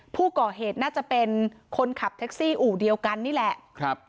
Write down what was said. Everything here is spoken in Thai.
ผู้ก่อเหตุน่าจะเป็นคนขับแท็กซี่อู่เดียวกันนี่แหละครับ